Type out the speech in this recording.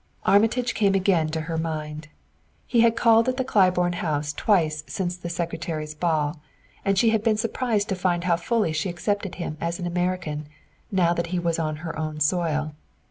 Armitage came again to her mind. He had called at the Claiborne house twice since the Secretary's ball, and she had been surprised to find how fully she accepted him as an American, now that he was on her own soil.